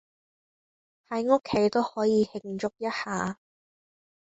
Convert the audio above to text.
喺屋企都可以慶祝一下